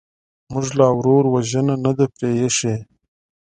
موږ لا ورور وژنه نه ده پرېښې.